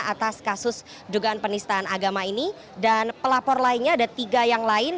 atas kasus dugaan penistaan agama ini dan pelapor lainnya ada tiga yang lain